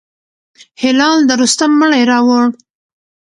هلال د رستم مړی راووړ.